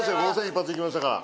５０００一発いきましたから